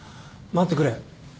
待ってくれ。